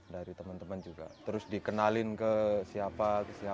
dari teman teman juga terus dikenalin ke siapa